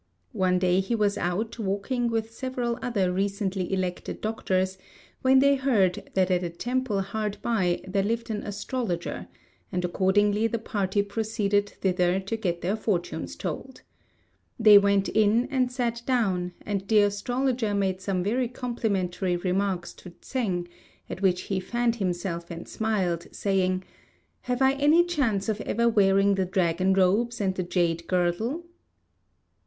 One day he was out walking with several other recently elected doctors, when they heard that at a temple hard by there lived an astrologer, and accordingly the party proceeded thither to get their fortunes told. They went in and sat down, and the astrologer made some very complimentary remarks to Tsêng, at which he fanned himself and smiled, saying, "Have I any chance of ever wearing the dragon robes and the jade girdle?"